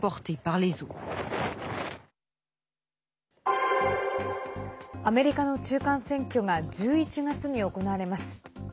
アメリカの中間選挙が１１月に行われます。